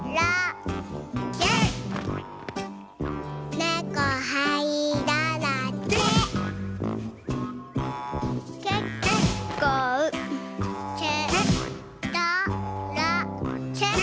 ねこはいだらけ。